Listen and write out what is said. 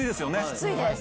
きついです。